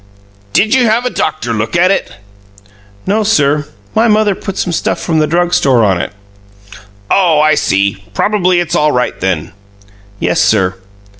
"Did you have a doctor look at it?" "No, sir. My mother put some stuff from the drug store on it." "Oh, I see. Probably it's all right, then." "Yes, sir."